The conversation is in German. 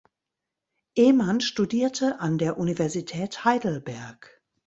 Ehmann studierte an der Universität Heidelberg.